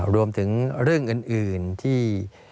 รวมถึงเรื่องอื่นที่